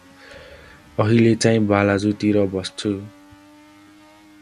अहिले चै बालाजु तिर बस्छु ।